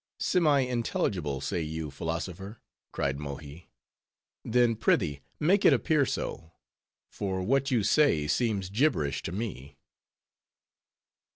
"Semi intelligible, say you, philosopher?" cried Mohi. "Then, prithee, make it appear so; for what you say, seems gibberish to me."